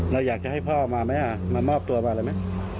เรืออยากจะให้ว่าพ่อมาไหมอ่ะไม่รู้อ่ะ